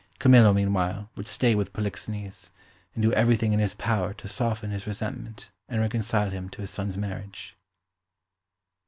Camillo, meanwhile, would stay with Polixenes, and do everything in his power to soften his resentment and reconcile him to his son's marriage.